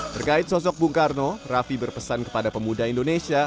terkait sosok bung karno raffi berpesan kepada pemuda indonesia